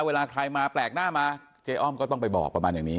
เวลาใครมาแปลกหน้ามาเจ๊อ้อมก็ต้องไปบอกประมาณอย่างนี้